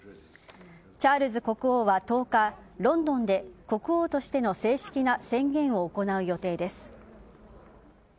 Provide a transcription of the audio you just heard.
チャールズ国王は１０日ロンドンで国王としての正式な宣言を行う予定です。